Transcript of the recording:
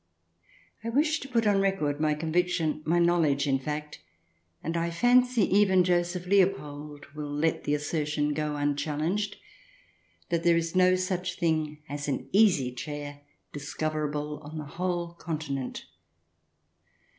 I wish to put on record my convic tion — my knowledge, in fact ; and I fancy even Joseph Leopold will let the assertion go unchal lenged — that there is no such thing as an easy chair discoverable on the whole Continent.